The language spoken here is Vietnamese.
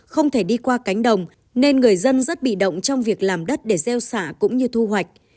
không thể đi qua cánh đồng nên người dân rất bị động trong việc làm đất để gieo xả cũng như thu hoạch